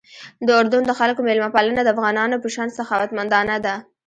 د اردن د خلکو میلمه پالنه د افغانانو په شان سخاوتمندانه ده.